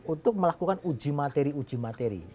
untuk melakukan uji materi uji materi